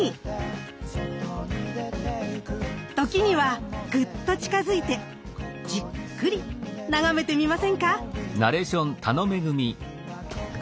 時にはグッと近づいてじっくり眺めてみませんか。